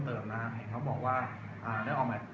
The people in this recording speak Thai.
แต่ว่าเมืองนี้ก็ไม่เหมือนกับเมืองอื่น